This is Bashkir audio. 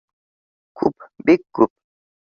Күп, бик күп